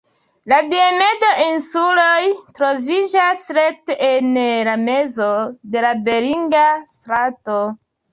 La Diomedo-insuloj troviĝas rekte en la mezo de la Beringa Strato.